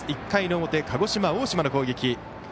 １回の表、鹿児島、大島の攻撃。